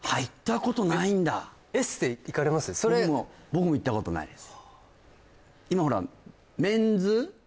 僕も僕も行ったことないです